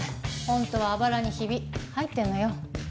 本当はあばらにヒビ入ってるのよ。